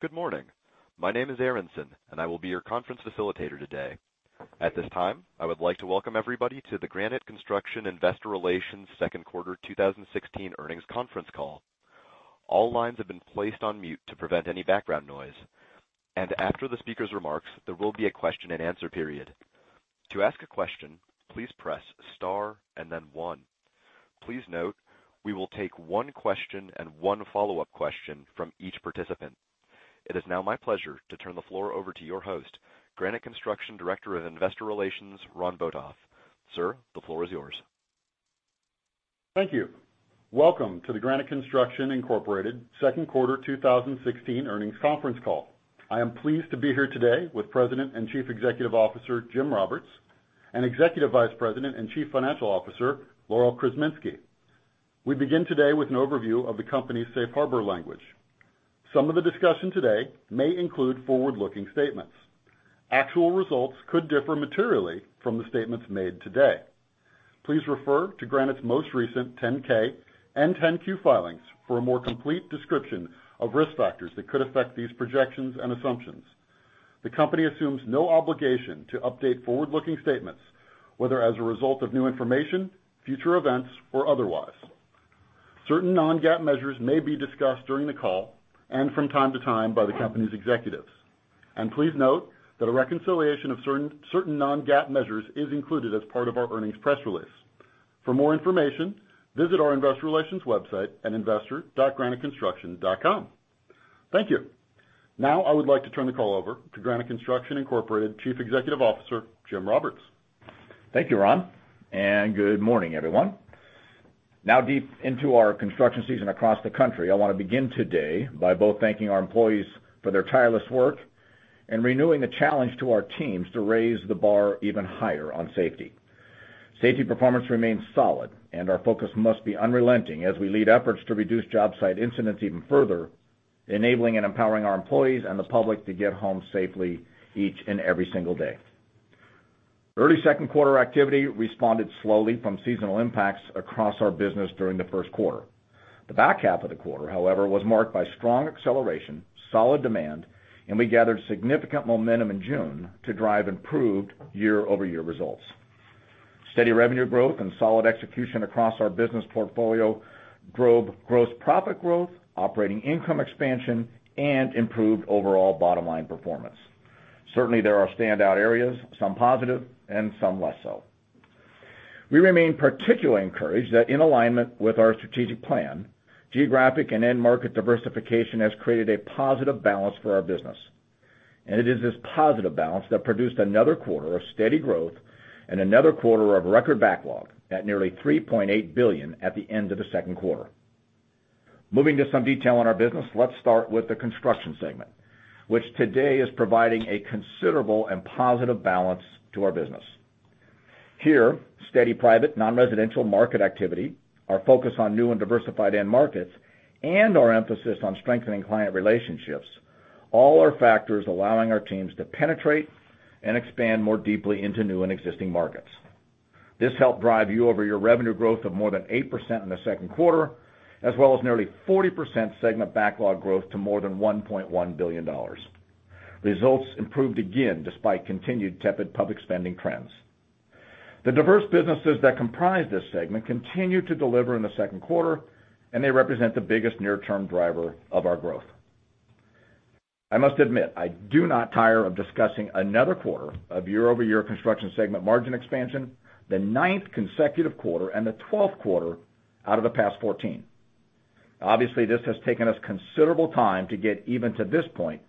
Good morning. My name is Aronson, and I will be your conference facilitator today. At this time, I would like to welcome everybody to the Granite Construction Investor Relations Second Quarter 2016 Earnings Conference Call. All lines have been placed on mute to prevent any background noise, and after the speaker's remarks, there will be a question-and-answer period. To ask a question, please press star and then one. Please note, we will take one question and one follow-up question from each participant. It is now my pleasure to turn the floor over to your host, Granite Construction Director of Investor Relations, Ron Botoff. Sir, the floor is yours. Thank you. Welcome to the Granite Construction Incorporated Second Quarter 2016 Earnings Conference Call. I am pleased to be here today with President and Chief Executive Officer Jim Roberts and Executive Vice President and Chief Financial Officer Laurel Krzeminski. We begin today with an overview of the company's safe harbor language. Some of the discussion today may include forward-looking statements. Actual results could differ materially from the statements made today. Please refer to Granite's most recent 10-K and 10-Q filings for a more complete description of risk factors that could affect these projections and assumptions. The company assumes no obligation to update forward-looking statements, whether as a result of new information, future events, or otherwise. Certain non-GAAP measures may be discussed during the call and from time to time by the company's executives. Please note that a reconciliation of certain non-GAAP measures is included as part of our earnings press release. For more information, visit our investor relations website at investor.graniteconstruction.com. Thank you. Now, I would like to turn the call over to Granite Construction Incorporated Chief Executive Officer Jim Roberts. Thank you, Ron, and good morning, everyone. Now, deep into our construction season across the country, I want to begin today by both thanking our employees for their tireless work and renewing the challenge to our teams to raise the bar even higher on safety. Safety performance remains solid, and our focus must be unrelenting as we lead efforts to reduce job site incidents even further, enabling and empowering our employees and the public to get home safely each and every single day. Early second quarter activity responded slowly from seasonal impacts across our business during the first quarter. The back half of the quarter, however, was marked by strong acceleration, solid demand, and we gathered significant momentum in June to drive improved year-over-year results. Steady revenue growth and solid execution across our business portfolio drove gross profit growth, operating income expansion, and improved overall bottom-line performance. Certainly, there are standout areas, some positive and some less so. We remain particularly encouraged that in alignment with our strategic plan, geographic and end market diversification has created a positive balance for our business. It is this positive balance that produced another quarter of steady growth and another quarter of record backlog at nearly $3.8 billion at the end of the second quarter. Moving to some detail on our business, let's start with the construction segment, which today is providing a considerable and positive balance to our business. Here, steady private non-residential market activity, our focus on new and diversified end markets, and our emphasis on strengthening client relationships, all are factors allowing our teams to penetrate and expand more deeply into new and existing markets. This helped drive year-over-year revenue growth of more than 8% in the second quarter, as well as nearly 40% segment backlog growth to more than $1.1 billion. Results improved again despite continued tepid public spending trends. The diverse businesses that comprise this segment continue to deliver in the second quarter, and they represent the biggest near-term driver of our growth. I must admit, I do not tire of discussing another quarter of year-over-year construction segment margin expansion, the ninth consecutive quarter, and the 12th quarter out of the past 14. Obviously, this has taken us considerable time to get even to this point,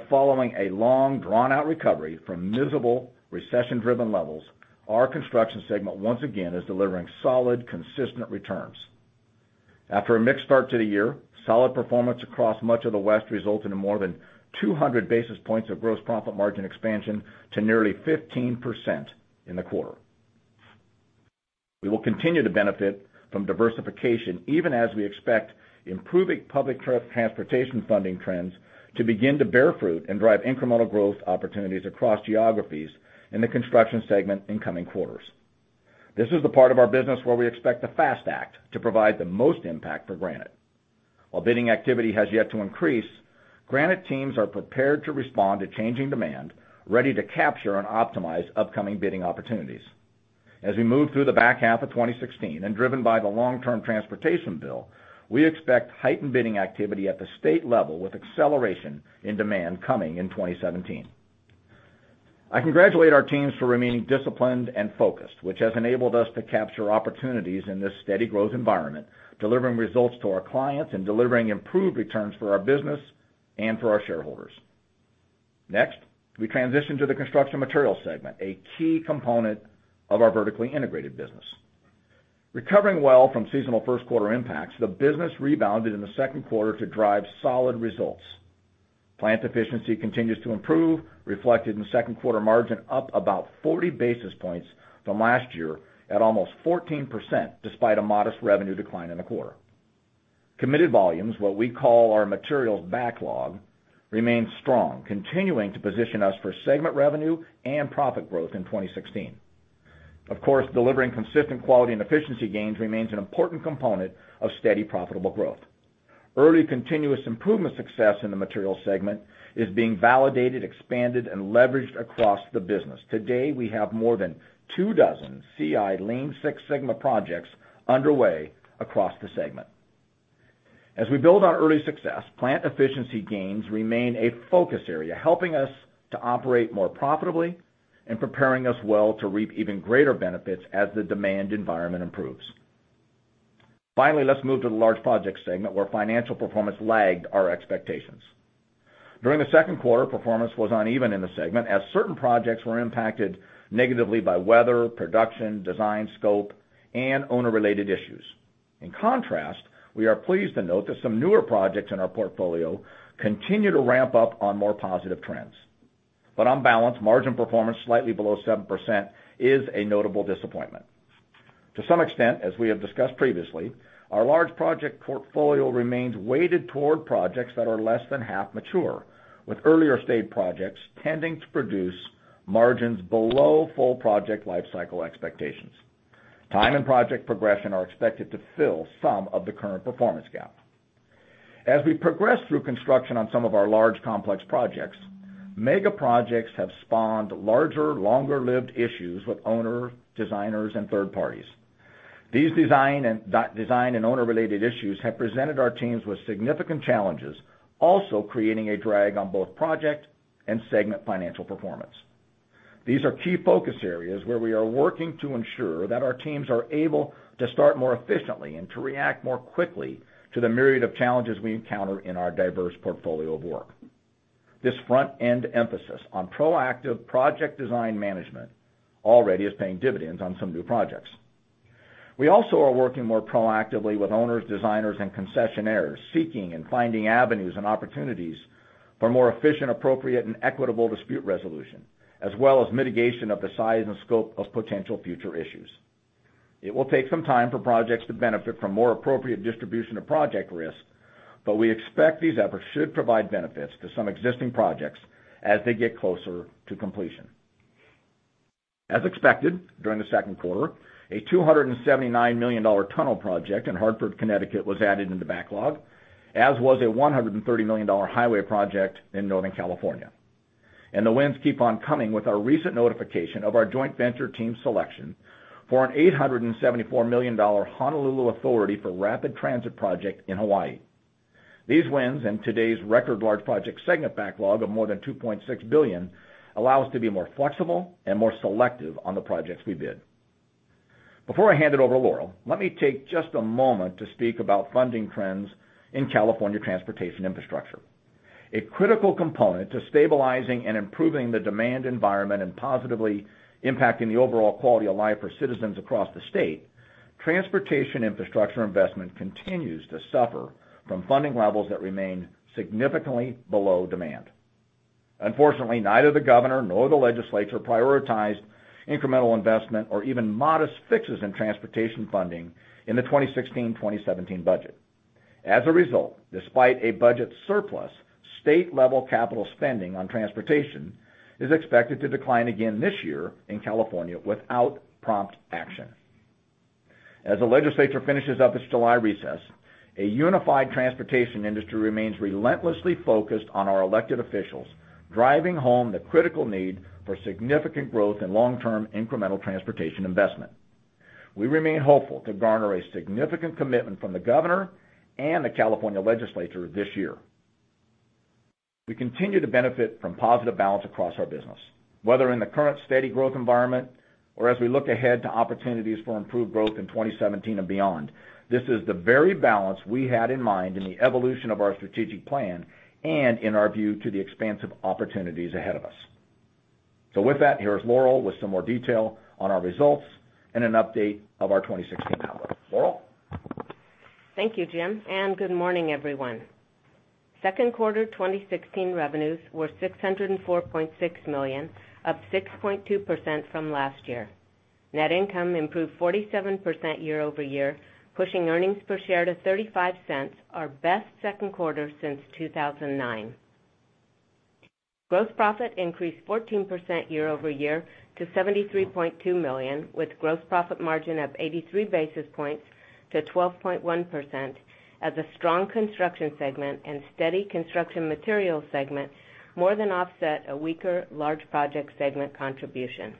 but following a long, drawn-out recovery from miserable recession-driven levels, our construction segment once again is delivering solid, consistent returns. After a mixed start to the year, solid performance across much of the West resulted in more than 200 basis points of gross profit margin expansion to nearly 15% in the quarter. We will continue to benefit from diversification even as we expect improving public transportation funding trends to begin to bear fruit and drive incremental growth opportunities across geographies in the construction segment in coming quarters. This is the part of our business where we expect the FAST Act to provide the most impact for Granite. While bidding activity has yet to increase, Granite teams are prepared to respond to changing demand, ready to capture and optimize upcoming bidding opportunities. As we move through the back half of 2016, and driven by the long-term transportation bill, we expect heightened bidding activity at the state level with acceleration in demand coming in 2017. I congratulate our teams for remaining disciplined and focused, which has enabled us to capture opportunities in this steady growth environment, delivering results to our clients and delivering improved returns for our business and for our shareholders. Next, we transition to the construction materials segment, a key component of our vertically integrated business. Recovering well from seasonal first quarter impacts, the business rebounded in the second quarter to drive solid results. Plant efficiency continues to improve, reflected in second quarter margin up about 40 basis points from last year at almost 14% despite a modest revenue decline in the quarter. Committed volumes, what we call our materials backlog, remain strong, continuing to position us for segment revenue and profit growth in 2016. Of course, delivering consistent quality and efficiency gains remains an important component of steady profitable growth. Early continuous improvement success in the materials segment is being validated, expanded, and leveraged across the business. Today, we have more than 24 CI Lean Six Sigma projects underway across the segment. As we build our early success, plant efficiency gains remain a focus area, helping us to operate more profitably and preparing us well to reap even greater benefits as the demand environment improves. Finally, let's move to the large project segment where financial performance lagged our expectations. During the second quarter, performance was uneven in the segment as certain projects were impacted negatively by weather, production, design scope, and owner-related issues. In contrast, we are pleased to note that some newer projects in our portfolio continue to ramp up on more positive trends. But on balance, margin performance slightly below 7% is a notable disappointment. To some extent, as we have discussed previously, our large project portfolio remains weighted toward projects that are less than half mature, with earlier stage projects tending to produce margins below full project lifecycle expectations. Time and project progression are expected to fill some of the current performance gap. As we progress through construction on some of our large complex projects, mega projects have spawned larger, longer-lived issues with owners, designers, and third parties. These design and owner-related issues have presented our teams with significant challenges, also creating a drag on both project and segment financial performance. These are key focus areas where we are working to ensure that our teams are able to start more efficiently and to react more quickly to the myriad of challenges we encounter in our diverse portfolio of work. This front-end emphasis on proactive project design management already is paying dividends on some new projects. We also are working more proactively with owners, designers, and concessionaires seeking and finding avenues and opportunities for more efficient, appropriate, and equitable dispute resolution, as well as mitigation of the size and scope of potential future issues. It will take some time for projects to benefit from more appropriate distribution of project risk, but we expect these efforts should provide benefits to some existing projects as they get closer to completion. As expected, during the second quarter, a $279 million tunnel project in Hartford, Connecticut, was added into backlog, as was a $130 million highway project in Northern California. The winds keep on coming with our recent notification of our joint venture team selection for an $874 million Honolulu Authority for Rapid Transit project in Hawaii. These wins and today's record Large Project segment backlog of more than $2.6 billion allow us to be more flexible and more selective on the projects we bid. Before I hand it over to Laurel, let me take just a moment to speak about funding trends in California transportation infrastructure. A critical component to stabilizing and improving the demand environment and positively impacting the overall quality of life for citizens across the state, transportation infrastructure investment continues to suffer from funding levels that remain significantly below demand. Unfortunately, neither the governor nor the legislature prioritized incremental investment or even modest fixes in transportation funding in the 2016-2017 budget. As a result, despite a budget surplus, state-level capital spending on transportation is expected to decline again this year in California without prompt action. As the legislature finishes up its July recess, a unified transportation industry remains relentlessly focused on our elected officials driving home the critical need for significant growth in long-term incremental transportation investment. We remain hopeful to garner a significant commitment from the governor and the California legislature this year. We continue to benefit from positive balance across our business. Whether in the current steady growth environment or as we look ahead to opportunities for improved growth in 2017 and beyond, this is the very balance we had in mind in the evolution of our strategic plan and in our view to the expansive opportunities ahead of us. So with that, here is Laurel with some more detail on our results and an update of our 2016 outlook. Laurel? Thank you, Jim. Good morning, everyone. Second quarter 2016 revenues were $604.6 million, up 6.2% from last year. Net income improved 47% year-over-year, pushing earnings per share to $0.35, our best second quarter since 2009. Gross profit increased 14% year-over-year to $73.2 million, with gross profit margin up 83 basis points to 12.1% as a strong construction segment and steady construction materials segment more than offset a weaker large project segment contribution.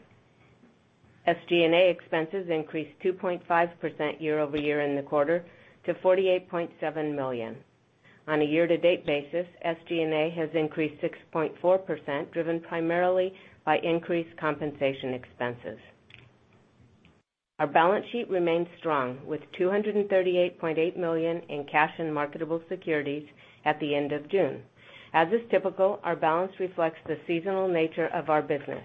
SG&A expenses increased 2.5% year-over-year in the quarter to $48.7 million. On a year-to-date basis, SG&A has increased 6.4%, driven primarily by increased compensation expenses. Our balance sheet remains strong, with $238.8 million in cash and marketable securities at the end of June. As is typical, our balance reflects the seasonal nature of our business.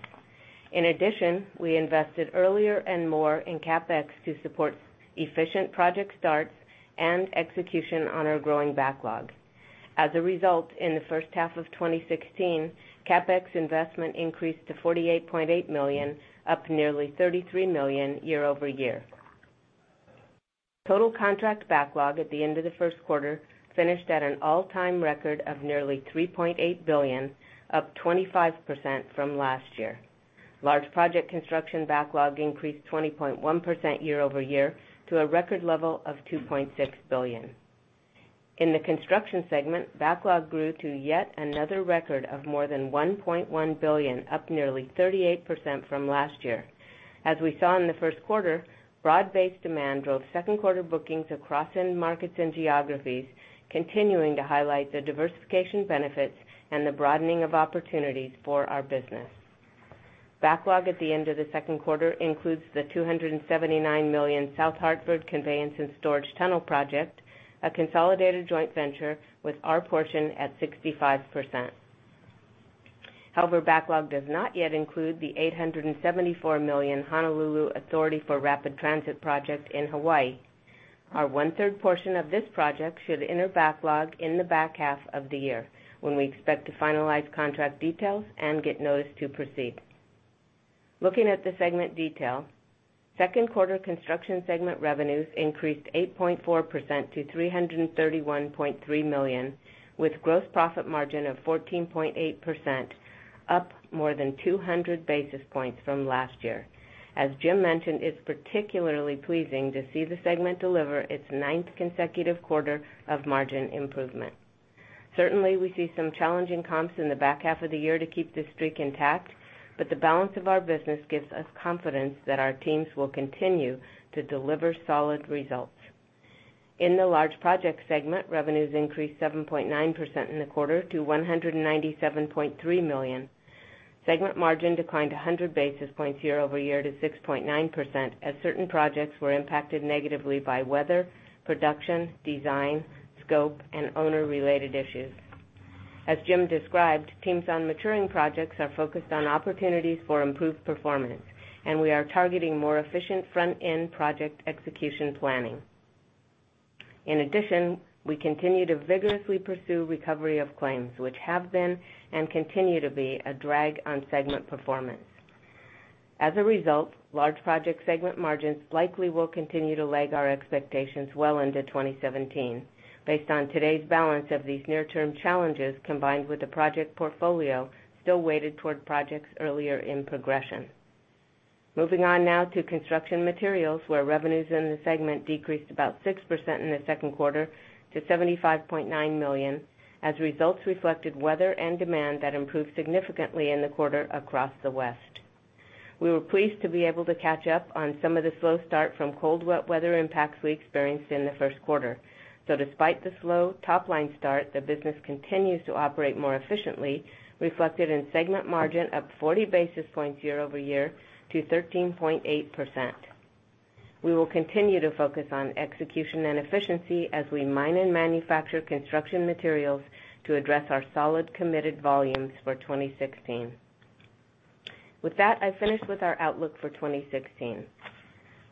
In addition, we invested earlier and more in CapEx to support efficient project starts and execution on our growing backlog. As a result, in the first half of 2016, CapEx investment increased to $48.8 million, up nearly $33 million year-over-year. Total contract backlog at the end of the first quarter finished at an all-time record of nearly $3.8 billion, up 25% from last year. Large project construction backlog increased 20.1% year-over-year to a record level of $2.6 billion. In the construction segment, backlog grew to yet another record of more than $1.1 billion, up nearly 38% from last year. As we saw in the first quarter, broad-based demand drove second quarter bookings across end markets and geographies, continuing to highlight the diversification benefits and the broadening of opportunities for our business. Backlog at the end of the second quarter includes the $279 million South Hartford Conveyance and Storage Tunnel project, a consolidated joint venture with our portion at 65%. However, backlog does not yet include the $874 million Honolulu Authority for Rapid Transit project in Hawaii. Our one-third portion of this project should enter backlog in the back half of the year when we expect to finalize contract details and get notice to proceed. Looking at the segment detail, second quarter construction segment revenues increased 8.4% to $331.3 million, with gross profit margin of 14.8%, up more than 200 basis points from last year. As Jim mentioned, it's particularly pleasing to see the segment deliver its ninth consecutive quarter of margin improvement. Certainly, we see some challenging comps in the back half of the year to keep this streak intact, but the balance of our business gives us confidence that our teams will continue to deliver solid results. In the large project segment, revenues increased 7.9% in the quarter to $197.3 million. Segment margin declined 100 basis points year-over-year to 6.9% as certain projects were impacted negatively by weather, production, design, scope, and owner-related issues. As Jim described, teams on maturing projects are focused on opportunities for improved performance, and we are targeting more efficient front-end project execution planning. In addition, we continue to vigorously pursue recovery of claims, which have been and continue to be a drag on segment performance. As a result, large project segment margins likely will continue to lag our expectations well into 2017, based on today's balance of these near-term challenges combined with the project portfolio still weighted toward projects earlier in progression. Moving on now to construction materials, where revenues in the segment decreased about 6% in the second quarter to $75.9 million, as results reflected weather and demand that improved significantly in the quarter across the West. We were pleased to be able to catch up on some of the slow start from cold, wet weather impacts we experienced in the first quarter. So despite the slow top-line start, the business continues to operate more efficiently, reflected in segment margin up 40 basis points year-over-year to 13.8%. We will continue to focus on execution and efficiency as we mine and manufacture construction materials to address our solid committed volumes for 2016. With that, I finish with our outlook for 2016.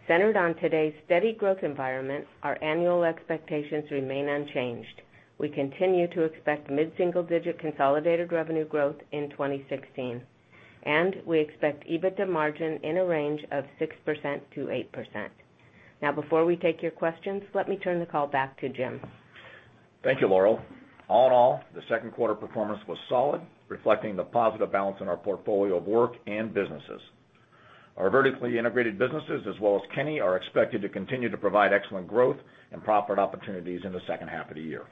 Centered on today's steady growth environment, our annual expectations remain unchanged. We continue to expect mid-single-digit consolidated revenue growth in 2016, and we expect EBITDA margin in a range of 6%-8%. Now, before we take your questions, let me turn the call back to Jim. Thank you, Laurel. All in all, the second quarter performance was solid, reflecting the positive balance in our portfolio of work and businesses. Our vertically integrated businesses, as well as Kenny, are expected to continue to provide excellent growth and profit opportunities in the second half of the year.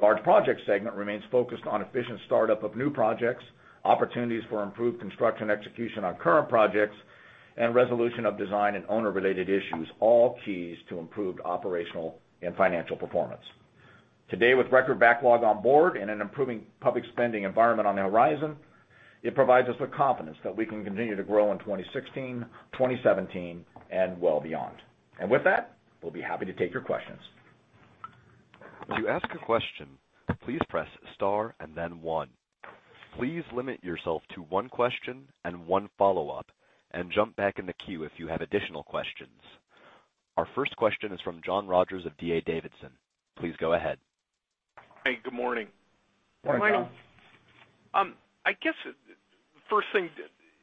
Large Project segment remains focused on efficient startup of new projects, opportunities for improved construction execution on current projects, and resolution of design and owner-related issues, all keys to improved operational and financial performance. Today, with record backlog on board and an improving public spending environment on the horizon, it provides us with confidence that we can continue to grow in 2016, 2017, and well beyond. With that, we'll be happy to take your questions. To ask a question, please press star and then one. Please limit yourself to one question and one follow-up, and jump back in the queue if you have additional questions. Our first question is from John Rogers of D.A. Davidson. Please go ahead. Hi, good morning. Good morning. I guess the first thing,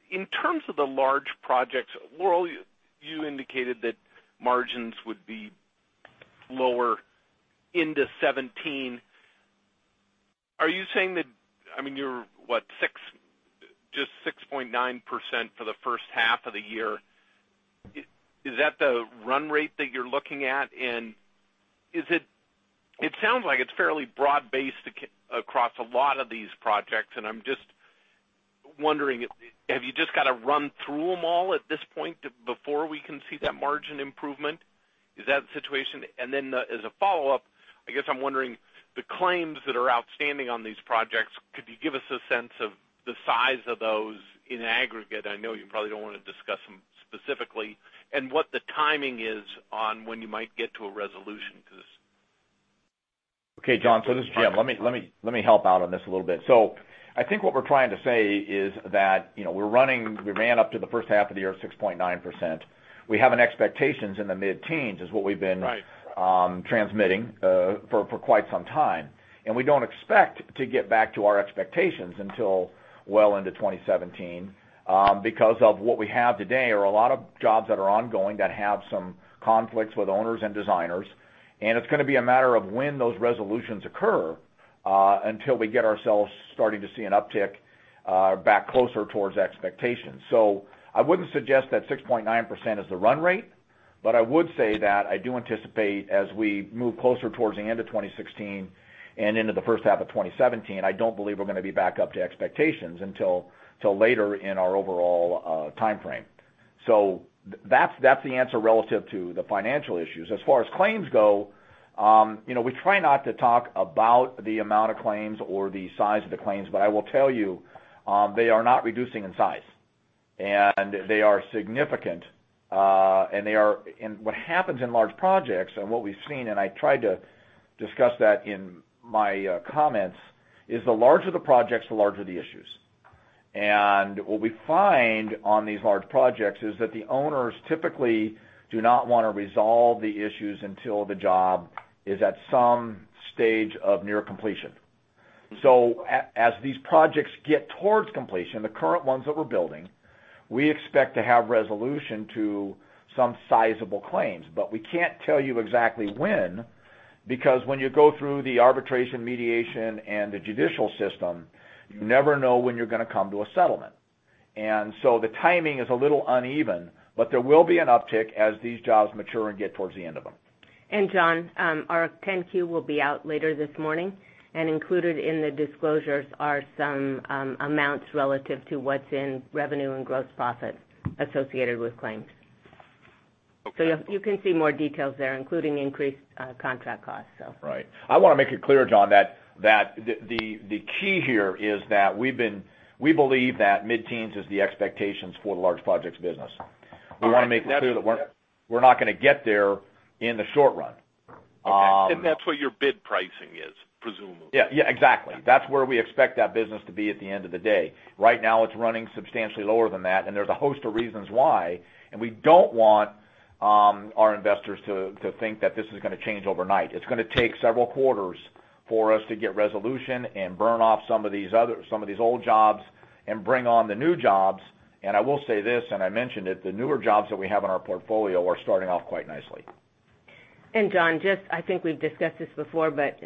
in terms of the large projects, Laurel, you indicated that margins would be lower into 2017. Are you saying that, I mean, you're, what, just 6.9% for the first half of the year? Is that the run rate that you're looking at? And it sounds like it's fairly broad-based across a lot of these projects, and I'm just wondering, have you just got to run through them all at this point before we can see that margin improvement? Is that the situation? And then as a follow-up, I guess I'm wondering, the claims that are outstanding on these projects, could you give us a sense of the size of those in aggregate? I know you probably don't want to discuss them specifically. And what the timing is on when you might get to a resolution to this? Okay, John, so this is Jim. Let me help out on this a little bit. So I think what we're trying to say is that we ran up to the first half of the year at 6.9%. We have an expectation in the mid-teens, is what we've been transmitting for quite some time. And we don't expect to get back to our expectations until well into 2017 because of what we have today, or a lot of jobs that are ongoing that have some conflicts with owners and designers. And it's going to be a matter of when those resolutions occur until we get ourselves starting to see an uptick back closer towards expectations. So I wouldn't suggest that 6.9% is the run rate, but I would say that I do anticipate as we move closer toward the end of 2016 and into the first half of 2017, I don't believe we're going to be back up to expectations until later in our overall timeframe. So that's the answer relative to the financial issues. As far as claims go, we try not to talk about the amount of claims or the size of the claims, but I will tell you they are not reducing in size. And they are significant. And what happens in large projects, and what we've seen, and I tried to discuss that in my comments, is the larger the projects, the larger the issues. What we find on these large projects is that the owners typically do not want to resolve the issues until the job is at some stage of near completion. As these projects get towards completion, the current ones that we're building, we expect to have resolution to some sizable claims, but we can't tell you exactly when because when you go through the arbitration, mediation, and the judicial system, you never know when you're going to come to a settlement. The timing is a little uneven, but there will be an uptick as these jobs mature and get towards the end of them. John, our 10-Q will be out later this morning, and included in the disclosures are some amounts relative to what's in revenue and gross profit associated with claims. So you can see more details there, including increased contract costs, so. Right. I want to make it clear, John, that the key here is that we believe that mid-teens is the expectations for the large projects business. We want to make it clear that we're not going to get there in the short run. That's what your bid pricing is, presumably. Yeah, exactly. That's where we expect that business to be at the end of the day. Right now, it's running substantially lower than that, and there's a host of reasons why. And we don't want our investors to think that this is going to change overnight. It's going to take several quarters for us to get resolution and burn off some of these old jobs and bring on the new jobs. And I will say this, and I mentioned it, the newer jobs that we have in our portfolio are starting off quite nicely. John, just I think we've discussed this before, but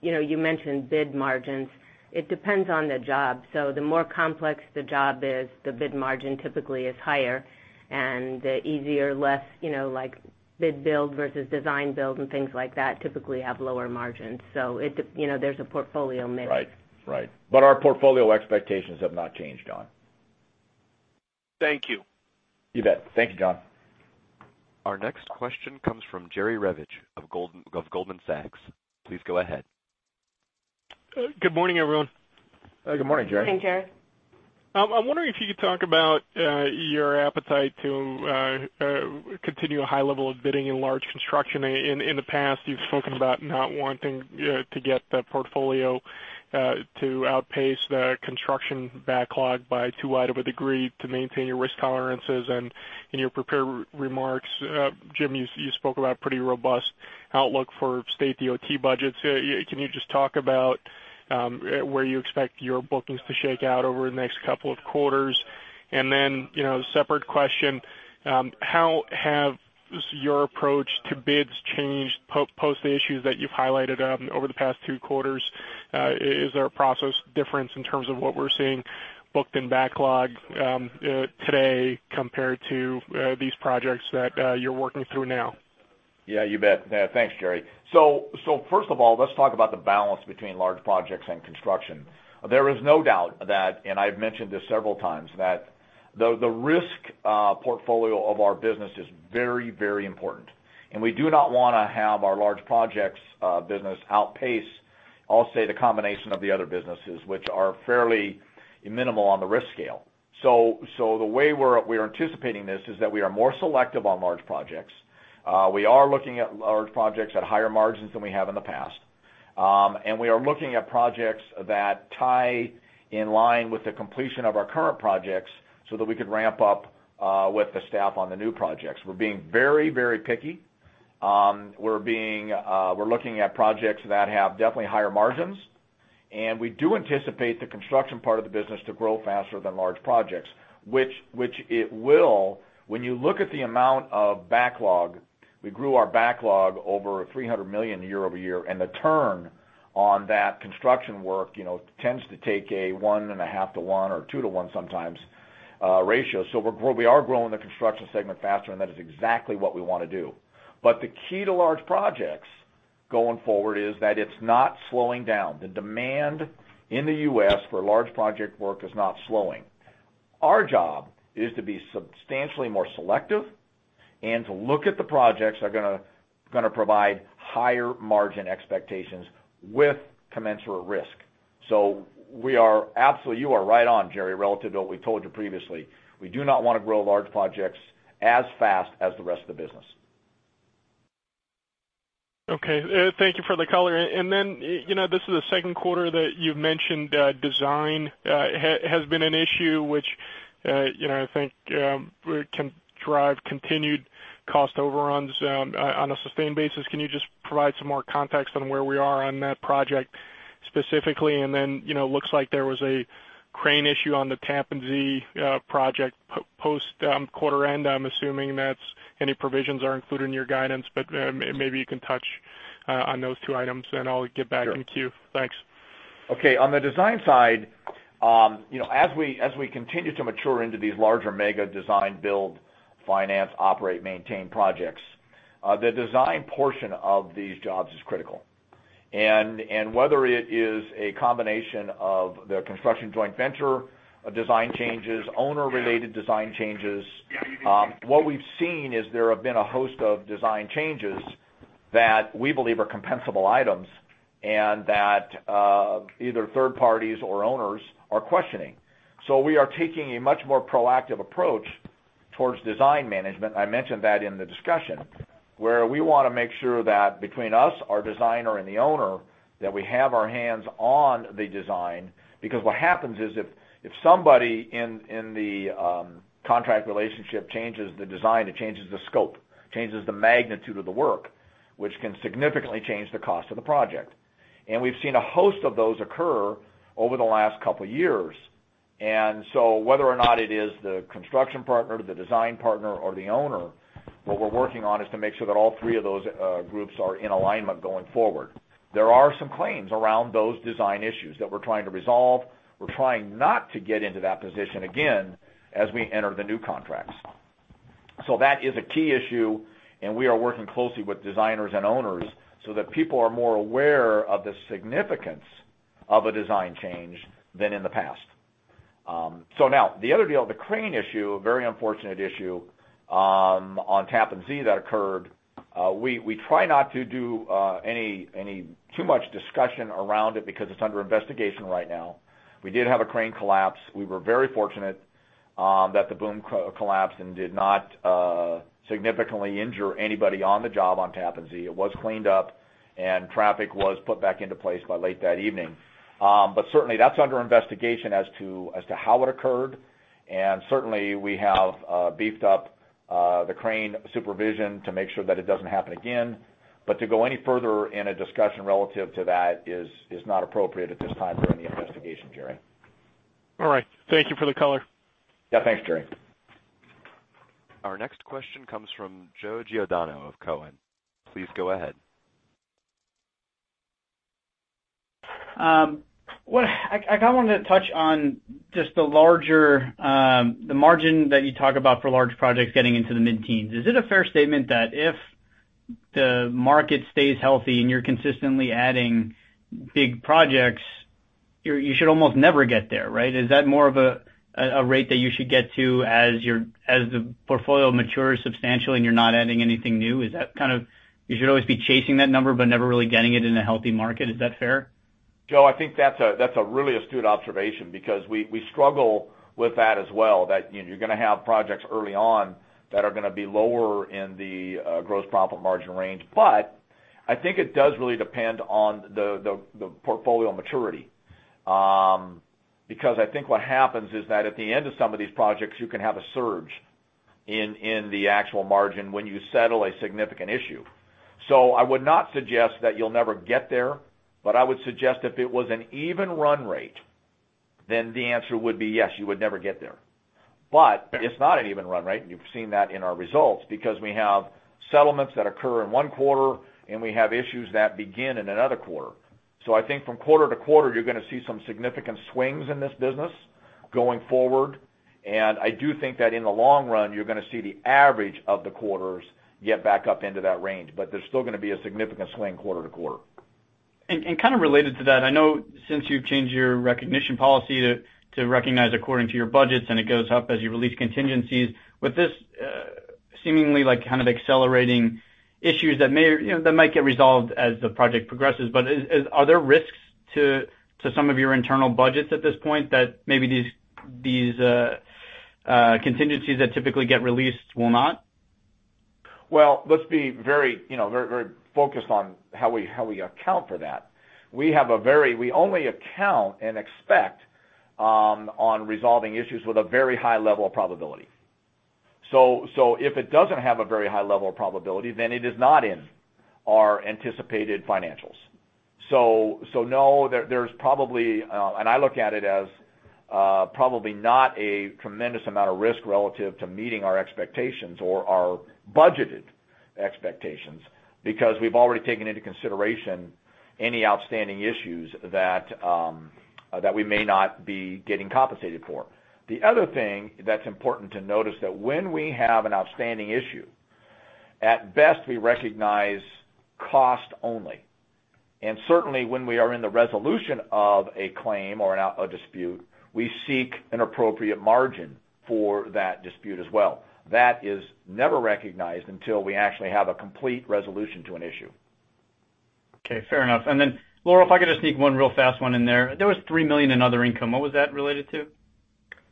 you mentioned bid margins. It depends on the job. So the more complex the job is, the bid margin typically is higher. The easier, less like bid-build versus design-build and things like that typically have lower margins. There's a portfolio mix. Right, right. But our portfolio expectations have not changed, John. Thank you. You bet. Thank you, John. Our next question comes from Jerry Revich of Goldman Sachs. Please go ahead. Good morning, everyone. Good morning, Jerry. Morning, Jerry. I'm wondering if you could talk about your appetite to continue a high level of bidding in large construction. In the past, you've spoken about not wanting to get the portfolio to outpace the construction backlog by too wide of a degree to maintain your risk tolerances. And in your prepared remarks, Jim, you spoke about a pretty robust outlook for state DOT budgets. Can you just talk about where you expect your bookings to shake out over the next couple of quarters? And then a separate question, how has your approach to bids changed post the issues that you've highlighted over the past two quarters? Is there a process difference in terms of what we're seeing booked in backlog today compared to these projects that you're working through now? Yeah, you bet. Thanks, Jerry. So first of all, let's talk about the balance between large projects and construction. There is no doubt that, and I've mentioned this several times, that the risk portfolio of our business is very, very important. And we do not want to have our large projects business outpace, I'll say, the combination of the other businesses, which are fairly minimal on the risk scale. So the way we're anticipating this is that we are more selective on large projects. We are looking at large projects at higher margins than we have in the past. And we are looking at projects that tie in line with the completion of our current projects so that we could ramp up with the staff on the new projects. We're being very, very picky. We're looking at projects that have definitely higher margins. We do anticipate the construction part of the business to grow faster than large projects, which it will when you look at the amount of backlog. We grew our backlog over $300 million year-over-year, and the turn on that construction work tends to take a 1.5-to-1 or 2-to-1 sometimes ratio. So we are growing the construction segment faster, and that is exactly what we want to do. But the key to large projects going forward is that it's not slowing down. The demand in the U.S. for large project work is not slowing. Our job is to be substantially more selective and to look at the projects that are going to provide higher margin expectations with commensurate risk. So you are right on, Jerry, relative to what we told you previously. We do not want to grow large projects as fast as the rest of the business. Okay. Thank you for the color. And then this is the second quarter that you've mentioned design has been an issue, which I think can drive continued cost overruns on a sustained basis. Can you just provide some more context on where we are on that project specifically? And then it looks like there was a crane issue on the Tappan Zee project post-quarter end. I'm assuming that any provisions are included in your guidance, but maybe you can touch on those two items, and I'll get back in queue. Thanks. Okay. On the design side, as we continue to mature into these larger mega design-build, finance, operate, maintain projects, the design portion of these jobs is critical. Whether it is a combination of the construction joint venture, design changes, owner-related design changes, what we've seen is there have been a host of design changes that we believe are compensable items and that either third parties or owners are questioning. We are taking a much more proactive approach towards design management. I mentioned that in the discussion, where we want to make sure that between us, our designer, and the owner, that we have our hands on the design. Because what happens is if somebody in the contract relationship changes the design, it changes the scope, changes the magnitude of the work, which can significantly change the cost of the project. We've seen a host of those occur over the last couple of years. So whether or not it is the construction partner, the design partner, or the owner, what we're working on is to make sure that all three of those groups are in alignment going forward. There are some claims around those design issues that we're trying to resolve. We're trying not to get into that position again as we enter the new contracts. So that is a key issue, and we are working closely with designers and owners so that people are more aware of the significance of a design change than in the past. So now, the other deal, the crane issue, a very unfortunate issue on Tappan Zee that occurred, we try not to do too much discussion around it because it's under investigation right now. We did have a crane collapse. We were very fortunate that the boom collapsed and did not significantly injure anybody on the job on Tappan Zee. It was cleaned up, and traffic was put back into place by late that evening. But certainly, that's under investigation as to how it occurred. And certainly, we have beefed up the crane supervision to make sure that it doesn't happen again. But to go any further in a discussion relative to that is not appropriate at this time for any investigation, Jerry. All right. Thank you for the color. Yeah, thanks, Jerry. Our next question comes from Joe Giordano of Cowen. Please go ahead. I kind of wanted to touch on just the margin that you talk about for large projects getting into the mid-teens. Is it a fair statement that if the market stays healthy and you're consistently adding big projects, you should almost never get there, right? Is that more of a rate that you should get to as the portfolio matures substantially and you're not adding anything new? Is that kind of you should always be chasing that number but never really getting it in a healthy market? Is that fair? Joe, I think that's a really astute observation because we struggle with that as well, that you're going to have projects early on that are going to be lower in the gross profit margin range. But I think it does really depend on the portfolio maturity. Because I think what happens is that at the end of some of these projects, you can have a surge in the actual margin when you settle a significant issue. So I would not suggest that you'll never get there, but I would suggest if it was an even run rate, then the answer would be, yes, you would never get there. But it's not an even run rate, and you've seen that in our results because we have settlements that occur in one quarter, and we have issues that begin in another quarter. I think from quarter to quarter, you're going to see some significant swings in this business going forward. I do think that in the long run, you're going to see the average of the quarters get back up into that range, but there's still going to be a significant swing quarter to quarter. Kind of related to that, I know since you've changed your recognition policy to recognize according to your budgets, and it goes up as you release contingencies, with this seemingly kind of accelerating issues that might get resolved as the project progresses. But are there risks to some of your internal budgets at this point that maybe these contingencies that typically get released will not? Well, let's be very, very focused on how we account for that. We only account and expect on resolving issues with a very high level of probability. So if it doesn't have a very high level of probability, then it is not in our anticipated financials. So no, there's probably and I look at it as probably not a tremendous amount of risk relative to meeting our expectations or our budgeted expectations because we've already taken into consideration any outstanding issues that we may not be getting compensated for. The other thing that's important to notice is that when we have an outstanding issue, at best, we recognize cost only. And certainly, when we are in the resolution of a claim or a dispute, we seek an appropriate margin for that dispute as well. That is never recognized until we actually have a complete resolution to an issue. Okay. Fair enough. And then, Laurel, if I could just sneak one real fast one in there. There was $3 million in other income. What was that related to?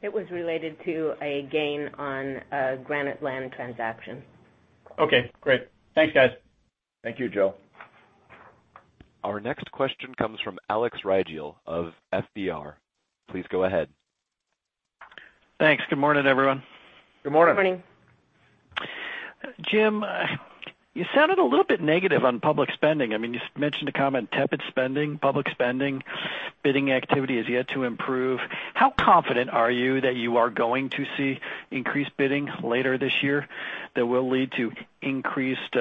It was related to a gain on a granite land transaction. Okay. Great. Thanks, guys. Thank you, Joe. Our next question comes from Alex Rygiel of FBR. Please go ahead. Thanks. Good morning, everyone. Good morning. Good morning. Jim, you sounded a little bit negative on public spending. I mean, you mentioned a comment, "Tepid spending, public spending, bidding activity is yet to improve." How confident are you that you are going to see increased bidding later this year that will lead to increased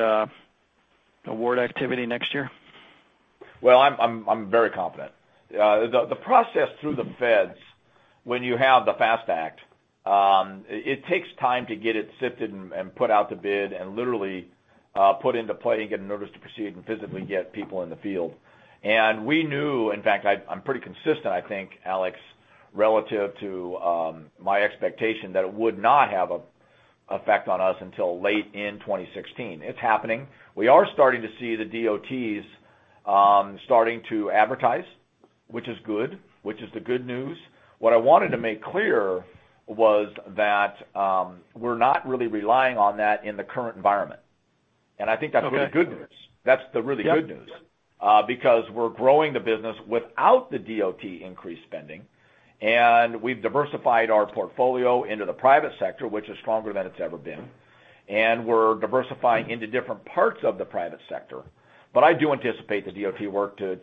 award activity next year? Well, I'm very confident. The process through the feds, when you have the FAST Act, it takes time to get it sifted and put out the bid and literally put into play and get notice to proceed and physically get people in the field. We knew, in fact, I'm pretty consistent, I think, Alex, relative to my expectation that it would not have an effect on us until late in 2016. It's happening. We are starting to see the DOTs starting to advertise, which is good, which is the good news. What I wanted to make clear was that we're not really relying on that in the current environment. I think that's really good news. That's the really good news because we're growing the business without the DOT increased spending. We've diversified our portfolio into the private sector, which is stronger than it's ever been. We're diversifying into different parts of the private sector. But I do anticipate the DOT work to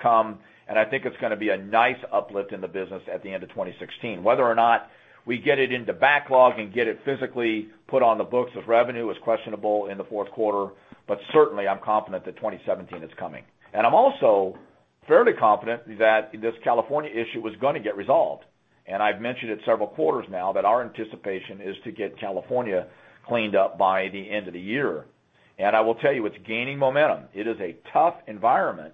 come, and I think it's going to be a nice uplift in the business at the end of 2016. Whether or not we get it into backlog and get it physically put on the books as revenue is questionable in the fourth quarter, but certainly, I'm confident that 2017 is coming. I'm also fairly confident that this California issue was going to get resolved. I've mentioned it several quarters now that our anticipation is to get California cleaned up by the end of the year. I will tell you, it's gaining momentum. It is a tough environment,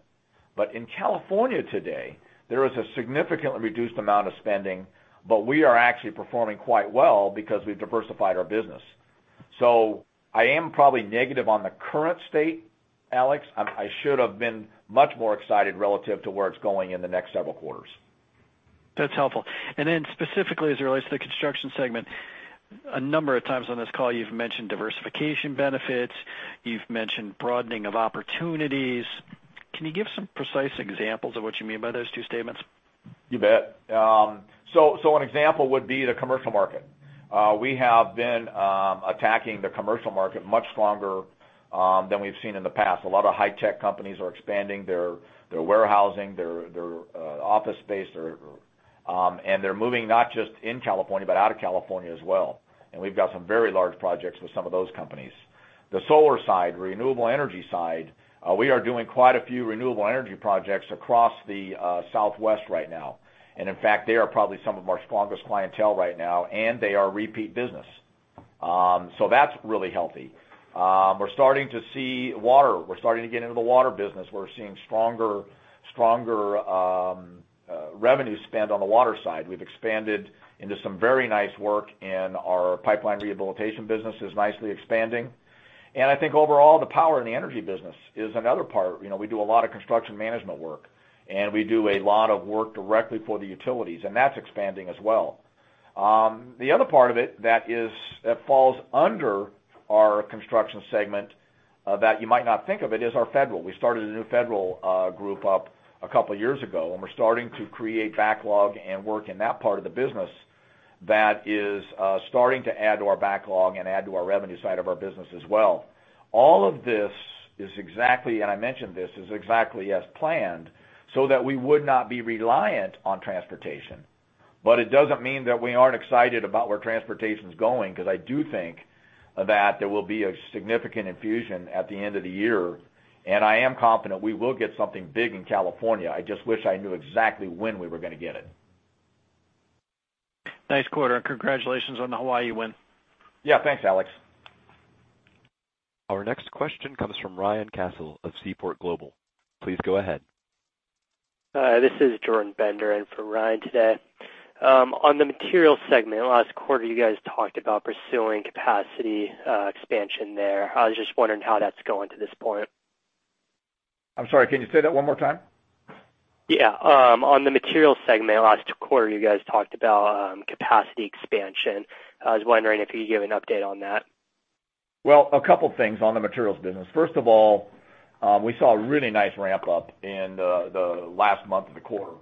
but in California today, there is a significantly reduced amount of spending, but we are actually performing quite well because we've diversified our business. I am probably negative on the current state, Alex. I should have been much more excited relative to where it's going in the next several quarters. That's helpful. And then specifically as it relates to the construction segment, a number of times on this call, you've mentioned diversification benefits. You've mentioned broadening of opportunities. Can you give some precise examples of what you mean by those two statements? You bet. So an example would be the commercial market. We have been attacking the commercial market much stronger than we've seen in the past. A lot of high-tech companies are expanding their warehousing, their office space, and they're moving not just in California, but out of California as well. And we've got some very large projects with some of those companies. The solar side, renewable energy side, we are doing quite a few renewable energy projects across the Southwest right now. And in fact, they are probably some of our strongest clientele right now, and they are repeat business. So that's really healthy. We're starting to see water. We're starting to get into the water business. We're seeing stronger revenue spend on the water side. We've expanded into some very nice work, and our pipeline rehabilitation business is nicely expanding. I think overall, the power and the energy business is another part. We do a lot of construction management work, and we do a lot of work directly for the utilities, and that's expanding as well. The other part of it that falls under our construction segment that you might not think of is our federal. We started a new federal group up a couple of years ago, and we're starting to create backlog and work in that part of the business that is starting to add to our backlog and add to our revenue side of our business as well. All of this is exactly, and I mentioned this, is exactly as planned so that we would not be reliant on transportation. It doesn't mean that we aren't excited about where transportation is going because I do think that there will be a significant infusion at the end of the year. I am confident we will get something big in California. I just wish I knew exactly when we were going to get it. Nice quarter. Congratulations on the Hawaii win. Yeah. Thanks, Alex. Our next question comes from Ryan Cassil of Seaport Global. Please go ahead. This is Jordan Bender in for Ryan today. On the materials segment, last quarter, you guys talked about pursuing capacity expansion there. I was just wondering how that's going to this point. I'm sorry. Can you say that one more time? Yeah. On the materials segment, last quarter, you guys talked about capacity expansion. I was wondering if you could give an update on that. Well, a couple of things on the materials business. First of all, we saw a really nice ramp-up in the last month of the quarter.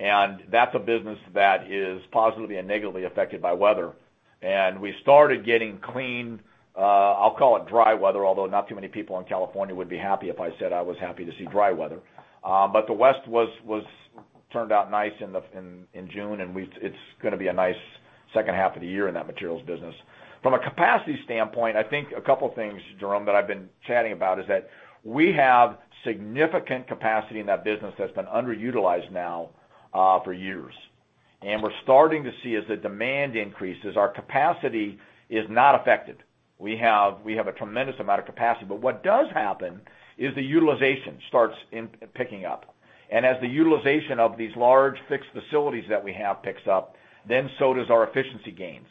And that's a business that is positively and negatively affected by weather. And we started getting clean, I'll call it dry weather, although not too many people in California would be happy if I said I was happy to see dry weather. But the West turned out nice in June, and it's going to be a nice second half of the year in that materials business. From a capacity standpoint, I think a couple of things, Jerry, that I've been chatting about is that we have significant capacity in that business that's been underutilized now for years. And we're starting to see as the demand increases, our capacity is not affected. We have a tremendous amount of capacity. But what does happen is the utilization starts picking up. And as the utilization of these large fixed facilities that we have picks up, then so does our efficiency gains.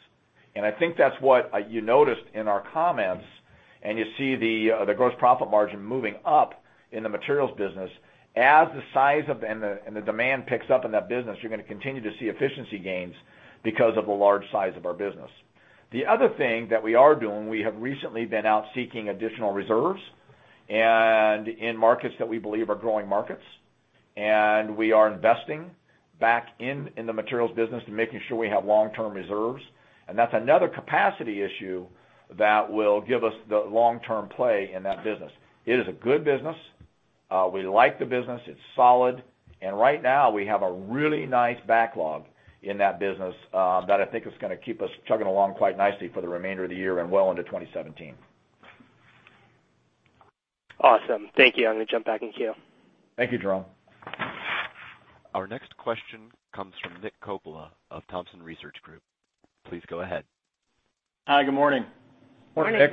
And I think that's what you noticed in our comments, and you see the gross profit margin moving up in the materials business. As the size and the demand picks up in that business, you're going to continue to see efficiency gains because of the large size of our business. The other thing that we are doing, we have recently been out seeking additional reserves in markets that we believe are growing markets. And we are investing back in the materials business and making sure we have long-term reserves. And that's another capacity issue that will give us the long-term play in that business. It is a good business. We like the business. It's solid. Right now, we have a really nice backlog in that business that I think is going to keep us chugging along quite nicely for the remainder of the year and well into 2017. Awesome. Thank you. I'm going to jump back in here. Thank you, Jerome. Our next question comes from Nick Coppola of Thompson Research Group. Please go ahead. Hi. Good morning. Morning, Nick.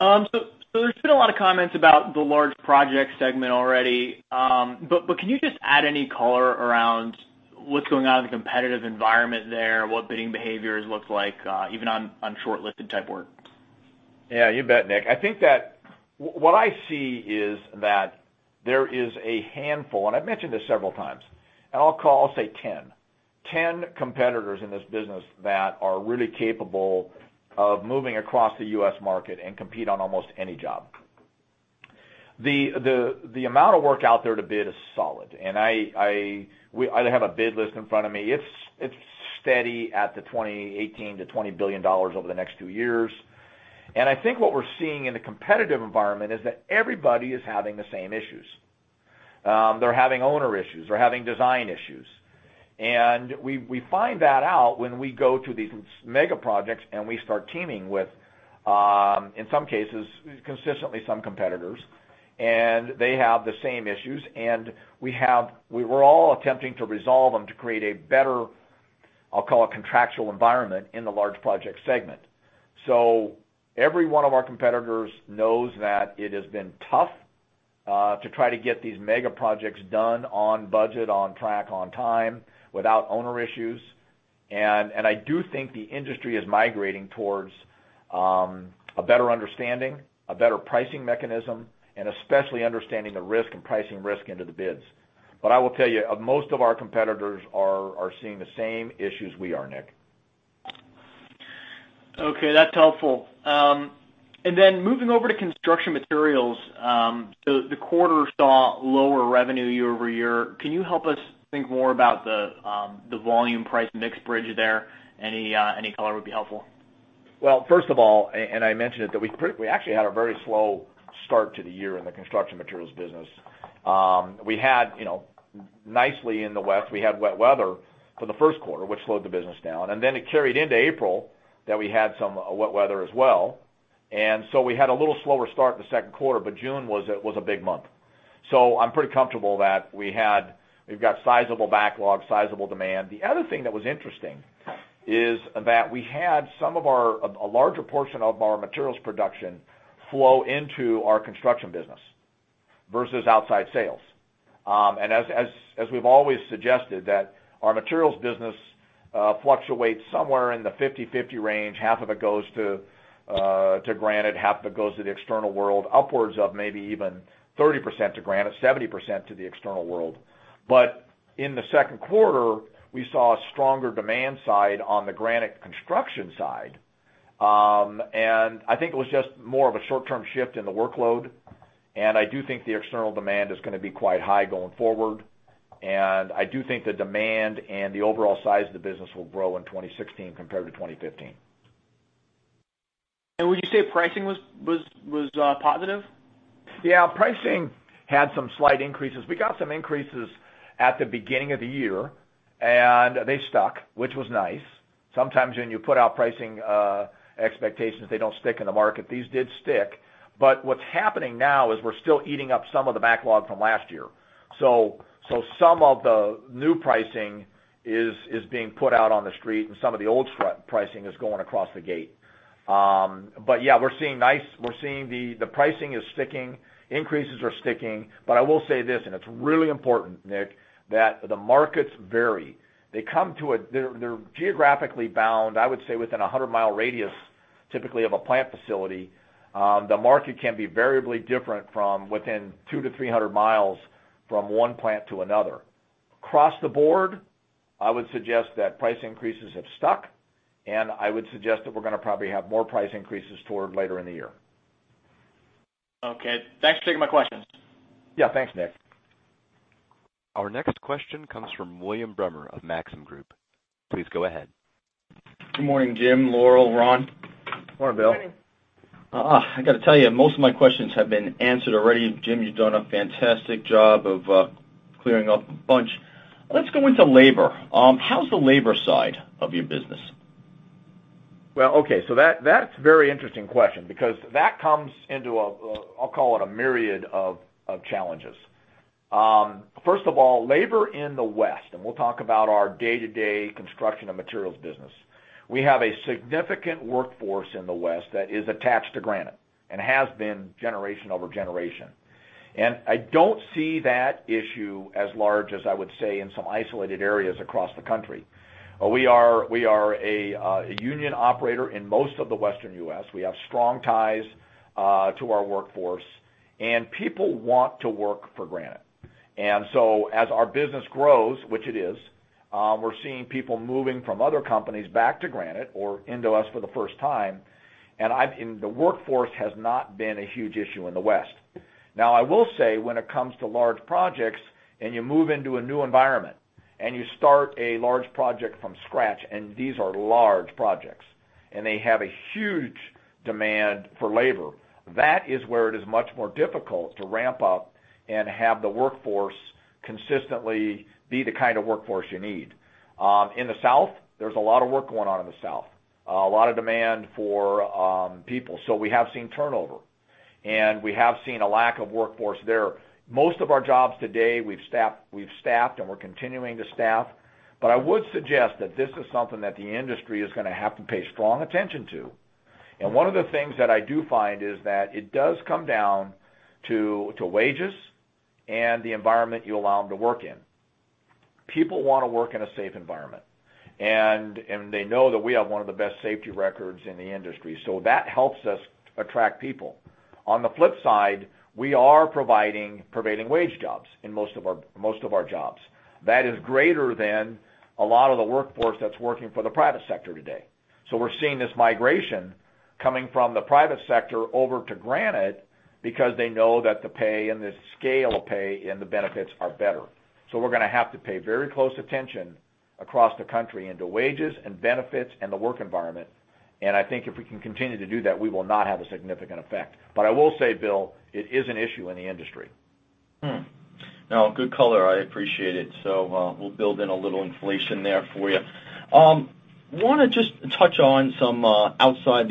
So there's been a lot of comments about the Large Project segment already. But can you just add any color around what's going on in the competitive environment there, what bidding behaviors look like, even on short-listed type work? Yeah. You bet, Nick. I think that what I see is that there is a handful, and I've mentioned this several times, and I'll say 10, 10 competitors in this business that are really capable of moving across the U.S. market and compete on almost any job. The amount of work out there to bid is solid. I have a bid list in front of me. It's steady at the $18 billion-$20 billion over the next two years. I think what we're seeing in the competitive environment is that everybody is having the same issues. They're having owner issues. They're having design issues. And we find that out when we go to these mega projects and we start teaming with, in some cases, consistently some competitors. And they have the same issues. We're all attempting to resolve them to create a better, I'll call it, contractual environment in the Large Project segment. Every one of our competitors knows that it has been tough to try to get these mega projects done on budget, on track, on time without owner issues. I do think the industry is migrating towards a better understanding, a better pricing mechanism, and especially understanding the risk and pricing risk into the bids. I will tell you, most of our competitors are seeing the same issues we are, Nick. Okay. That's helpful. And then moving over to construction materials, the quarter saw lower revenue year-over-year. Can you help us think more about the volume price mix bridge there? Any color would be helpful. Well, first of all, and I mentioned it, that we actually had a very slow start to the year in the construction materials business. We had nicely in the West. We had wet weather for the first quarter, which slowed the business down. And then it carried into April that we had some wet weather as well. And so we had a little slower start in the second quarter, but June was a big month. So I'm pretty comfortable that we've got sizable backlog, sizable demand. The other thing that was interesting is that we had some of our larger portion of our materials production flow into our construction business versus outside sales. And as we've always suggested, that our materials business fluctuates somewhere in the 50/50 range. Half of it goes to Granite, half of it goes to the external world, upwards of maybe even 30% to Granite, 70% to the external world. But in the second quarter, we saw a stronger demand side on the Granite Construction side. I think it was just more of a short-term shift in the workload. I do think the external demand is going to be quite high going forward. I do think the demand and the overall size of the business will grow in 2016 compared to 2015. Would you say pricing was positive? Yeah. Pricing had some slight increases. We got some increases at the beginning of the year, and they stuck, which was nice. Sometimes when you put out pricing expectations, they don't stick in the market. These did stick. But what's happening now is we're still eating up some of the backlog from last year. So some of the new pricing is being put out on the street, and some of the old pricing is going across the gate. But yeah, we're seeing the pricing is sticking. Increases are sticking. But I will say this, and it's really important, Nick, that the markets vary. They're geographically bound, I would say, within a 100-mile radius typically of a plant facility. The market can be variably different from within 200-300 mi from one plant to another. Across the board, I would suggest that price increases have stuck, and I would suggest that we're going to probably have more price increases toward later in the year. Okay. Thanks for taking my questions. Yeah. Thanks, Nick. Our next question comes from William Bremer of Maxim Group. Please go ahead. Good morning, Jim. Laurel, Ron. Morning, Bill. Morning. I got to tell you, most of my questions have been answered already. Jim, you've done a fantastic job of clearing up a bunch. Let's go into labor. How's the labor side of your business? Well, okay. So that's a very interesting question because that comes into, I'll call it, a myriad of challenges. First of all, labor in the West, and we'll talk about our day-to-day construction and materials business. We have a significant workforce in the West that is attached to Granite and has been generation over generation. And I don't see that issue as large as I would say in some isolated areas across the country. We are a union operator in most of the western U.S. We have strong ties to our workforce, and people want to work for Granite. And so as our business grows, which it is, we're seeing people moving from other companies back to Granite or into us for the first time. And the workforce has not been a huge issue in the West. Now, I will say when it comes to large projects, and you move into a new environment, and you start a large project from scratch, and these are large projects, and they have a huge demand for labor, that is where it is much more difficult to ramp up and have the workforce consistently be the kind of workforce you need. In the South, there's a lot of work going on in the South, a lot of demand for people. So we have seen turnover, and we have seen a lack of workforce there. Most of our jobs today, we've staffed, and we're continuing to staff. But I would suggest that this is something that the industry is going to have to pay strong attention to. One of the things that I do find is that it does come down to wages and the environment you allow them to work in. People want to work in a safe environment, and they know that we have one of the best safety records in the industry. So that helps us attract people. On the flip side, we are providing prevailing wage jobs in most of our jobs. That is greater than a lot of the workforce that's working for the private sector today. So we're seeing this migration coming from the private sector over to Granite because they know that the pay and the scale of pay and the benefits are better. So we're going to have to pay very close attention across the country into wages and benefits and the work environment. I think if we can continue to do that, we will not have a significant effect. I will say, Bill, it is an issue in the industry. Now, good color. I appreciate it. We'll build in a little inflation there for you. I want to just touch on some outside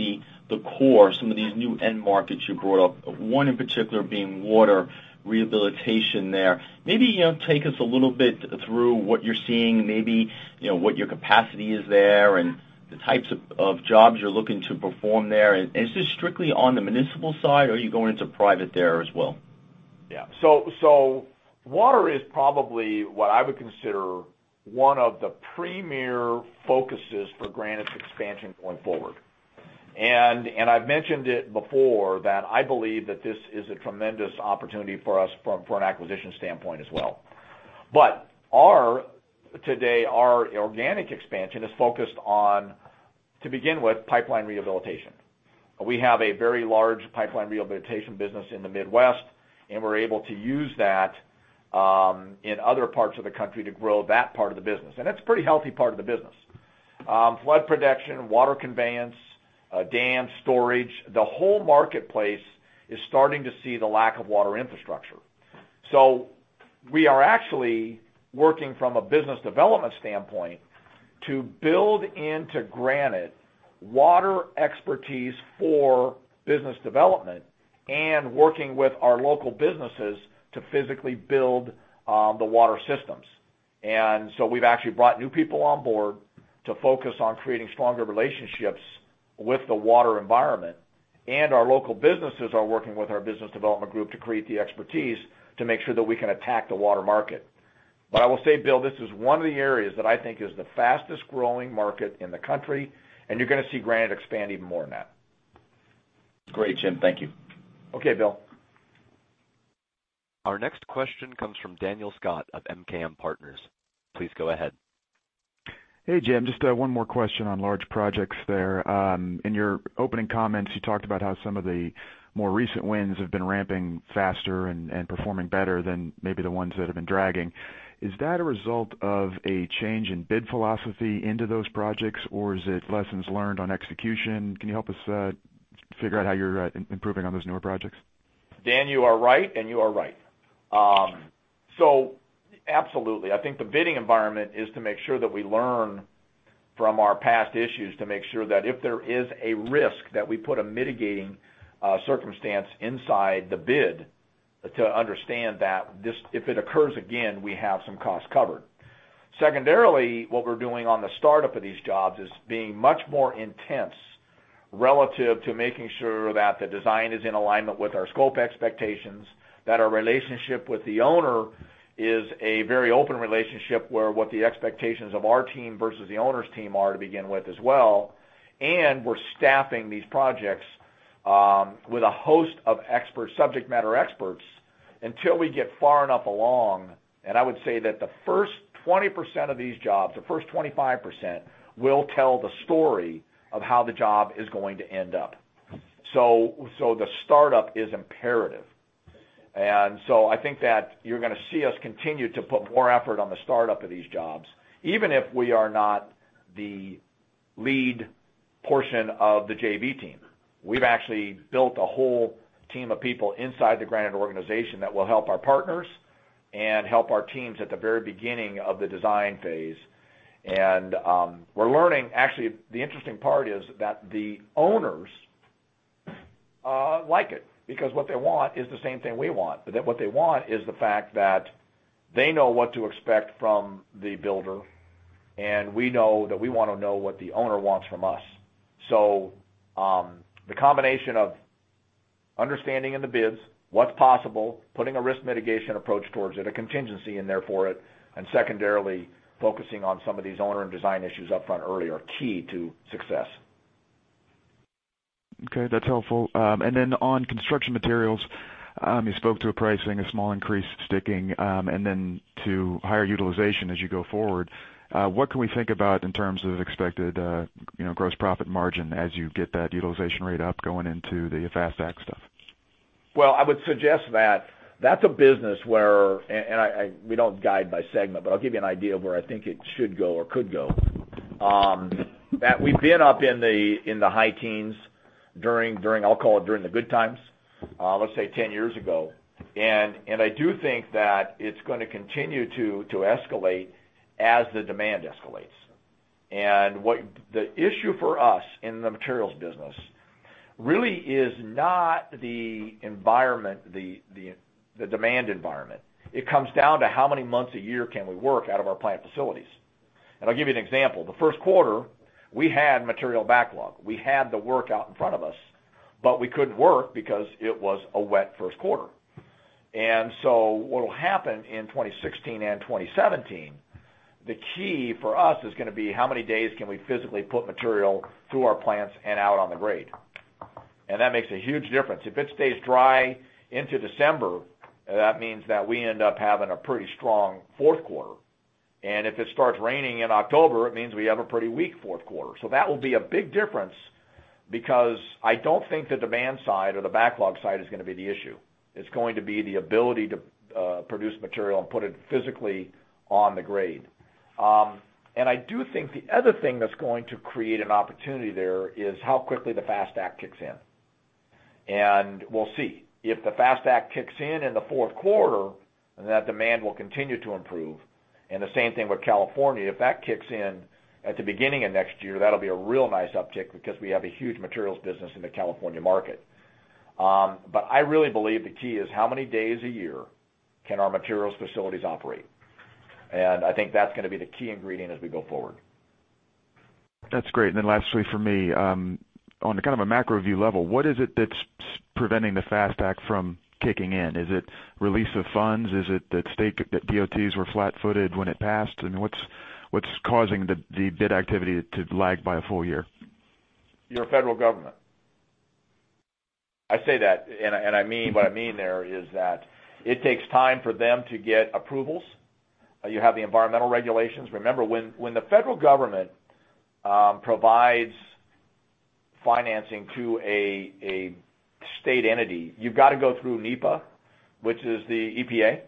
the core, some of these new end markets you brought up, one in particular being water, rehabilitation there. Maybe take us a little bit through what you're seeing, maybe what your capacity is there and the types of jobs you're looking to perform there. Is this strictly on the municipal side, or are you going into private there as well? Yeah. So water is probably what I would consider one of the premier focuses for Granite's expansion going forward. And I've mentioned it before that I believe that this is a tremendous opportunity for us from an acquisition standpoint as well. But today, our organic expansion is focused on, to begin with, pipeline rehabilitation. We have a very large pipeline rehabilitation business in the Midwest, and we're able to use that in other parts of the country to grow that part of the business. And it's a pretty healthy part of the business: flood protection, water conveyance, dam storage. The whole marketplace is starting to see the lack of water infrastructure. So we are actually working from a business development standpoint to build into Granite water expertise for business development and working with our local businesses to physically build the water systems. And so we've actually brought new people on board to focus on creating stronger relationships with the water environment. And our local businesses are working with our business development group to create the expertise to make sure that we can attack the water market. But I will say, Bill, this is one of the areas that I think is the fastest growing market in the country, and you're going to see Granite expand even more than that. Great, Jim. Thank you. Okay, Bill. Our next question comes from Daniel Scott of MKM Partners. Please go ahead. Hey, Jim. Just one more question on large projects there. In your opening comments, you talked about how some of the more recent wins have been ramping faster and performing better than maybe the ones that have been dragging. Is that a result of a change in bid philosophy into those projects, or is it lessons learned on execution? Can you help us figure out how you're improving on those newer projects? Dan, you are right, and you are right. So absolutely. I think the bidding environment is to make sure that we learn from our past issues to make sure that if there is a risk that we put a mitigating circumstance inside the bid to understand that if it occurs again, we have some costs covered. Secondarily, what we're doing on the startup of these jobs is being much more intense relative to making sure that the design is in alignment with our scope expectations, that our relationship with the owner is a very open relationship where what the expectations of our team versus the owner's team are to begin with as well. We're staffing these projects with a host of subject matter experts until we get far enough along. I would say that the first 20% of these jobs, the first 25%, will tell the story of how the job is going to end up. The startup is imperative. I think that you're going to see us continue to put more effort on the startup of these jobs, even if we are not the lead portion of the JV team. We've actually built a whole team of people inside the Granite organization that will help our partners and help our teams at the very beginning of the design phase. And we're learning. Actually, the interesting part is that the owners like it because what they want is the same thing we want. But what they want is the fact that they know what to expect from the builder, and we know that we want to know what the owner wants from us. The combination of understanding in the bids, what's possible, putting a risk mitigation approach towards it, a contingency in there for it, and secondarily focusing on some of these owner and design issues upfront early are key to success. Okay. That's helpful. And then on construction materials, you spoke to a pricing, a small increase sticking, and then to higher utilization as you go forward. What can we think about in terms of expected gross profit margin as you get that utilization rate up going into the FAST Act stuff? Well, I would suggest that that's a business where, and we don't guide by segment, but I'll give you an idea of where I think it should go or could go, that we've been up in the high teens during, I'll call it, during the good times, let's say 10 years ago. I do think that it's going to continue to escalate as the demand escalates. The issue for us in the materials business really is not the environment, the demand environment. It comes down to how many months a year can we work out of our plant facilities. I'll give you an example. The first quarter, we had material backlog. We had the work out in front of us, but we couldn't work because it was a wet first quarter. What will happen in 2016 and 2017, the key for us is going to be how many days can we physically put material through our plants and out on the grade. That makes a huge difference. If it stays dry into December, that means that we end up having a pretty strong fourth quarter. If it starts raining in October, it means we have a pretty weak fourth quarter. So that will be a big difference because I don't think the demand side or the backlog side is going to be the issue. It's going to be the ability to produce material and put it physically on the grade. I do think the other thing that's going to create an opportunity there is how quickly the FAST Act kicks in. We'll see. If the FAST Act kicks in in the fourth quarter, then that demand will continue to improve. The same thing with California. If that kicks in at the beginning of next year, that'll be a real nice uptick because we have a huge materials business in the California market. But I really believe the key is how many days a year can our materials facilities operate. I think that's going to be the key ingredient as we go forward. That's great. Then lastly for me, on kind of a macro view level, what is it that's preventing the FAST Act from kicking in? Is it release of funds? Is it that DOTs were flat-footed when it passed? I mean, what's causing the bid activity to lag by a full year? Your federal government. I say that, and what I mean there is that it takes time for them to get approvals. You have the environmental regulations. Remember, when the federal government provides financing to a state entity, you've got to go through NEPA, which is the EPA.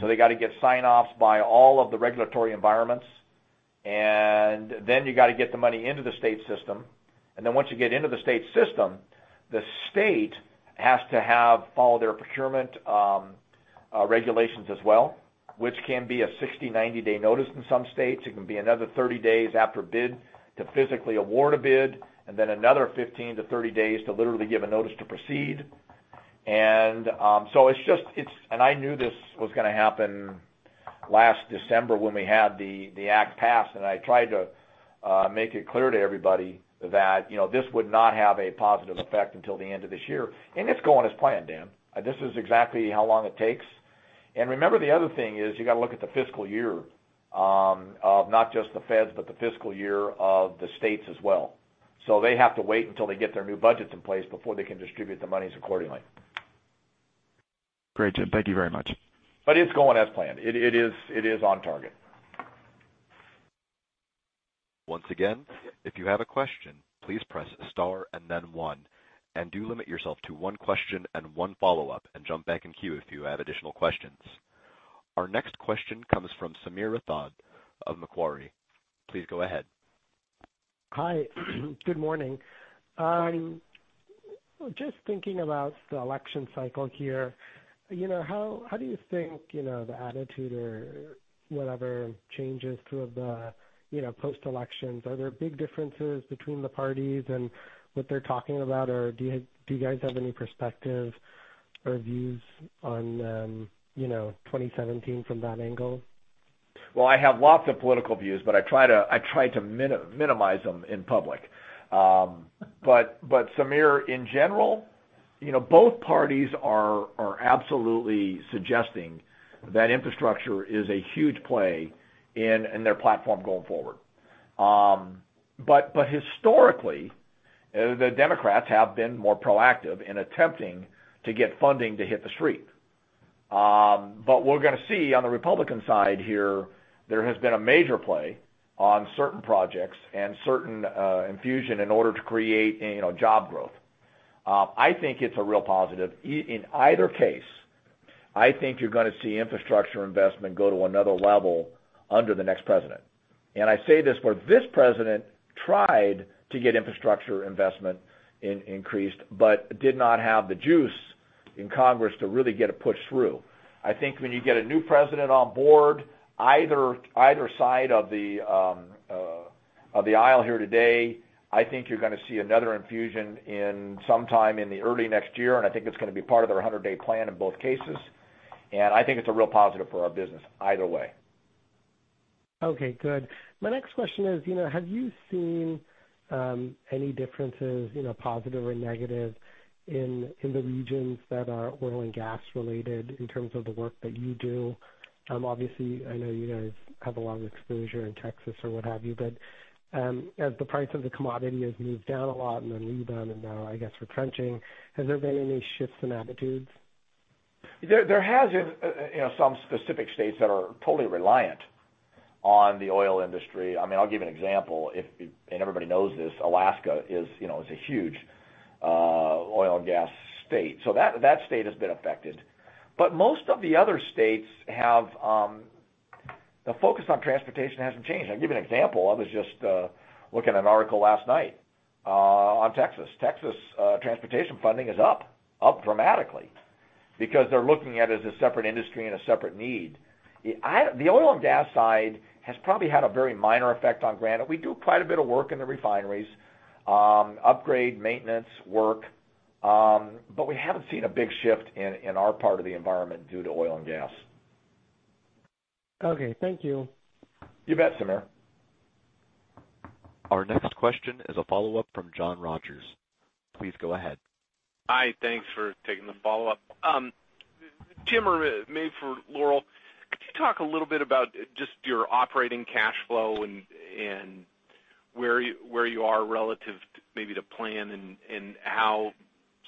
So they got to get sign-offs by all of the regulatory environments. And then you got to get the money into the state system. And then once you get into the state system, the state has to follow their procurement regulations as well, which can be a 60, 90-day notice in some states. It can be another 30 days after bid to physically award a bid, and then another 15-30 days to literally give a notice to proceed. And so it's just, and I knew this was going to happen last December when we had the act passed. I tried to make it clear to everybody that this would not have a positive effect until the end of this year. It's going as planned, Dan. This is exactly how long it takes. Remember, the other thing is you got to look at the fiscal year of not just the feds, but the fiscal year of the states as well. They have to wait until they get their new budgets in place before they can distribute the monies accordingly. Great, Jim. Thank you very much. But it's going as planned. It is on target. Once again, if you have a question, please press star and then one. Do limit yourself to one question and one follow-up and jump back in queue if you have additional questions. Our next question comes from Sameer Rathod of Macquarie. Please go ahead. Hi. Good morning. Just thinking about the election cycle here, how do you think the attitude or whatever changes through the post-elections? Are there big differences between the parties and what they're talking about? Or do you guys have any perspective or views on 2017 from that angle? Well, I have lots of political views, but I try to minimize them in public. But Sameer, in general, both parties are absolutely suggesting that infrastructure is a huge play in their platform going forward. But historically, the Democrats have been more proactive in attempting to get funding to hit the street. But we're going to see on the Republican side here, there has been a major play on certain projects and certain infusion in order to create job growth. I think it's a real positive. In either case, I think you're going to see infrastructure investment go to another level under the next president. And I say this for this president tried to get infrastructure investment increased, but did not have the juice in Congress to really get it pushed through. I think when you get a new president on board, either side of the aisle here today, I think you're going to see another infusion sometime in the early next year. I think it's going to be part of their 100-day plan in both cases. I think it's a real positive for our business either way. Okay. Good. My next question is, have you seen any differences, positive or negative, in the regions that are oil and gas related in terms of the work that you do? Obviously, I know you guys have a lot of exposure in Texas or what have you, but as the price of the commodity has moved down a lot and then rebounded now, I guess we're crunching, has there been any shifts in attitudes? There has been some specific states that are totally reliant on the oil industry. I mean, I'll give you an example, and everybody knows this. Alaska is a huge oil and gas state. So that state has been affected. But most of the other states have the focus on transportation hasn't changed. I'll give you an example. I was just looking at an article last night on Texas. Texas transportation funding is up, up dramatically because they're looking at it as a separate industry and a separate need. The oil and gas side has probably had a very minor effect on Granite. We do quite a bit of work in the refineries, upgrade, maintenance work, but we haven't seen a big shift in our part of the environment due to oil and gas. Okay. Thank you. You bet, Sameer. Our next question is a follow-up from John Rogers. Please go ahead. Hi. Thanks for taking the follow-up. Jim, or maybe for Laurel, could you talk a little bit about just your operating cash flow and where you are relative maybe to plan and how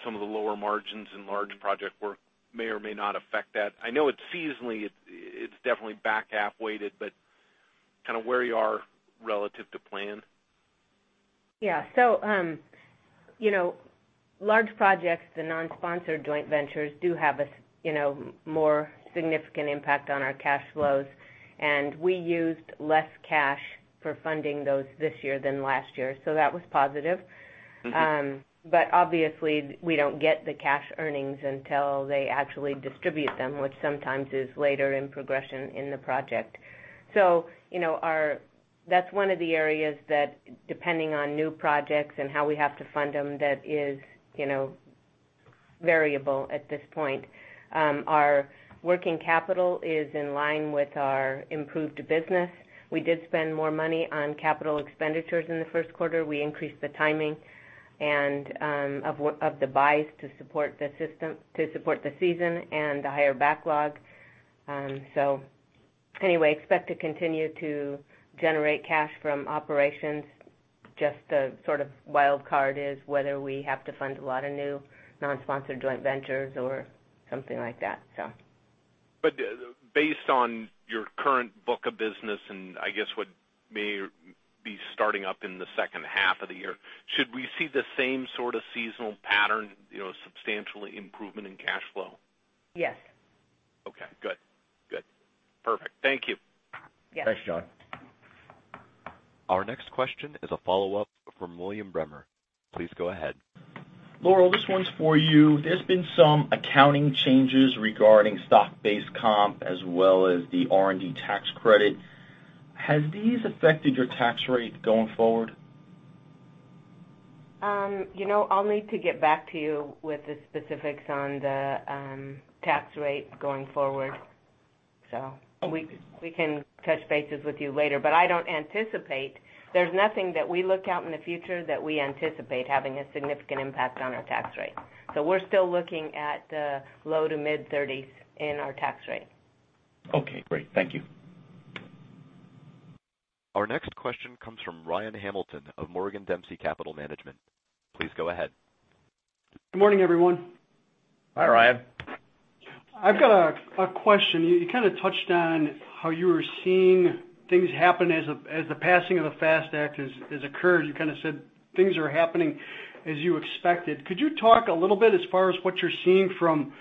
some of the lower margins and large project work may or may not affect that? I know it's seasonally, it's definitely back-half weighted, but kind of where you are relative to plan? Yeah. So large projects, the non-sponsored joint ventures do have a more significant impact on our cash flows. And we used less cash for funding those this year than last year. So that was positive. But obviously, we don't get the cash earnings until they actually distribute them, which sometimes is later in progression in the project. So that's one of the areas that, depending on new projects and how we have to fund them, that is variable at this point. Our working capital is in line with our improved business. We did spend more money on capital expenditures in the first quarter. We increased the timing of the buys to support the season and the higher backlog. So anyway, expect to continue to generate cash from operations. Just the sort of wild card is whether we have to fund a lot of new non-sponsored joint ventures or something like that, so. Based on your current book of business and I guess what may be starting up in the second half of the year, should we see the same sort of seasonal pattern, substantial improvement in cash flow? Yes. Okay. Good. Good. Perfect. Thank you. Yes. Thanks, John. Our next question is a follow-up from William Bremer. Please go ahead. Laurel, this one's for you. There's been some accounting changes regarding stock-based comp as well as the R&D tax credit. Has these affected your tax rate going forward? I'll need to get back to you with the specifics on the tax rate going forward. So we can touch base with you later. But I don't anticipate there's nothing that we look out in the future that we anticipate having a significant impact on our tax rate. So we're still looking at the low- to mid-30s% in our tax rate. Okay. Great. Thank you. Our next question comes from Ryan Hamilton of Morgan Dempsey Capital Management. Please go ahead. Good morning, everyone. Hi, Ryan. I've got a question. You kind of touched on how you were seeing things happen as the passing of the FAST Act has occurred. You kind of said things are happening as you expected. Could you talk a little bit as far as what you're seeing from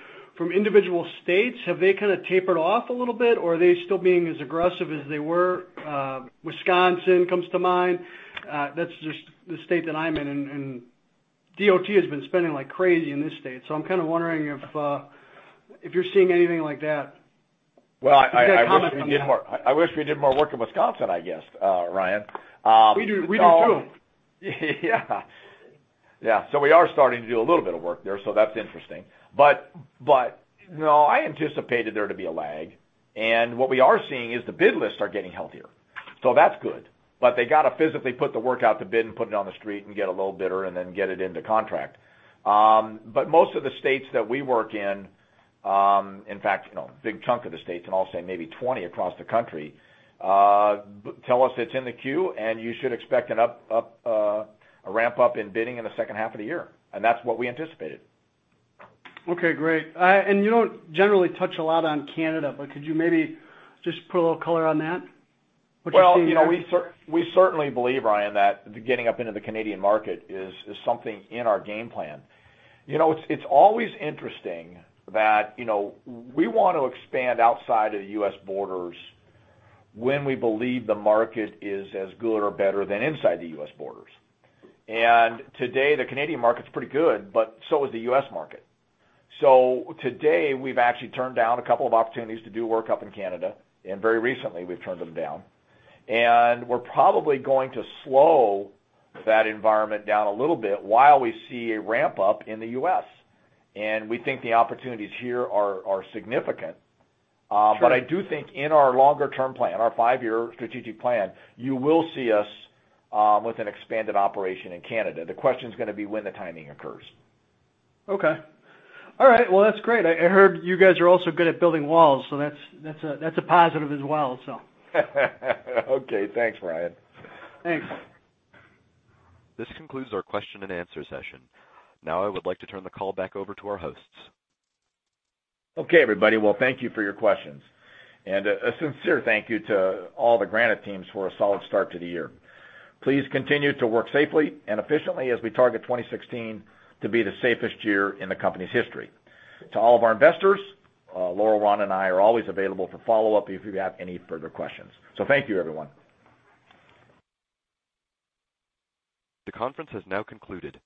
individual states? Have they kind of tapered off a little bit, or are they still being as aggressive as they were? Wisconsin comes to mind. That's just the state that I'm in. And DOT has been spending like crazy in this state. So I'm kind of wondering if you're seeing anything like that. Well, I wish we did more work in Wisconsin, I guess, Ryan. We do too. Yeah. Yeah. So we are starting to do a little bit of work there. So that's interesting. But no, I anticipated there to be a lag. And what we are seeing is the bid lists are getting healthier. So that's good. But they got to physically put the work out to bid and put it on the street and get a little bidders and then get it into contract. But most of the states that we work in, in fact, a big chunk of the states, and I'll say maybe 20 across the country, tell us it's in the queue, and you should expect a ramp-up in bidding in the second half of the year. And that's what we anticipated. Okay. Great. And you don't generally touch a lot on Canada, but could you maybe just put a little color on that? What you're seeing there? Well, we certainly believe, Ryan, that getting up into the Canadian market is something in our game plan. It's always interesting that we want to expand outside of the U.S. borders when we believe the market is as good or better than inside the U.S. borders. Today, the Canadian market's pretty good, but so is the U.S. market. Today, we've actually turned down a couple of opportunities to do work up in Canada. Very recently, we've turned them down. We're probably going to slow that environment down a little bit while we see a ramp-up in the U.S. We think the opportunities here are significant. But I do think in our longer-term plan, our five-year strategic plan, you will see us with an expanded operation in Canada. The question's going to be when the timing occurs. Okay. All right. Well, that's great. I heard you guys are also good at building walls. So that's a positive as well, so. Okay. Thanks, Ryan. Thanks. This concludes our question and answer session. Now I would like to turn the call back over to our hosts. Okay, everybody. Well, thank you for your questions. A sincere thank you to all the Granite teams for a solid start to the year. Please continue to work safely and efficiently as we target 2016 to be the safest year in the company's history. To all of our investors, Laurel, Ron, and I are always available for follow-up if you have any further questions. So thank you, everyone. The conference has now concluded.